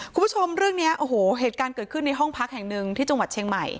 คุณผู้ชมเรื่องนี้โอ้โหเหตุการณ์เกิดขึ้นในห้องพักแห่งหนึ่งที่จังหวัดเชียงใหม่